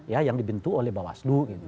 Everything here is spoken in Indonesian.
ya yang dibentuk oleh bawaslu gitu